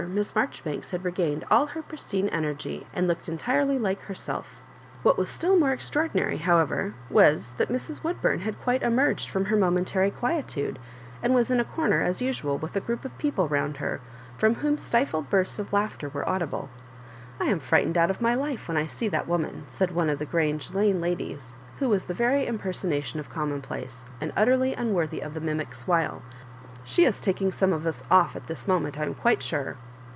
Miss Maijoribanks had regained all her pristine en ergy, and looked entirely like herself What was still more extraordinary, however, was, that Mrs. Woodbum had quite emerged from her momentary quietude, and was in a comer, as usual, with a group of people round her, from whom stifled bursts of laughter were audibla *' I am frightened out of my life when I see that woman," said one of the Grange Lane ladies, who was the very impersonation of commonplace, and utterly unworthy the mi mic's while. " She is taking some of us off at this moment, I am quite sure."